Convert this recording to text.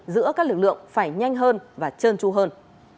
giữa các lực lượng phải nhanh hơn và trơn tru hơn